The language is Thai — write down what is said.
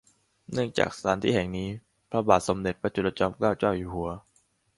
เนื่องจากสถานที่แห่งนี้พระบาทสมเด็จพระจุลจอมเกล้าเจ้าอยู่หัว